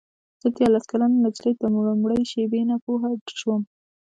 زه دیارلس کلنه نجلۍ د لومړۍ شېبې نه پوه شوم.